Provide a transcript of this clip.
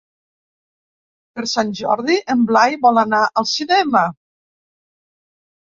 Per Sant Jordi en Blai vol anar al cinema.